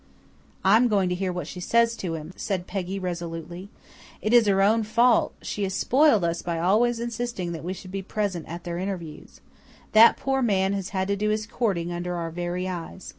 "I am going to hear what she says to him," said Peggy resolutely. "It is her own fault she has spoiled us by always insisting that we should be present at their interviews. That poor man has had to do his courting under our very eyes.